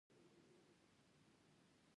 سپينر بالر توپ ته تاو ورکوي.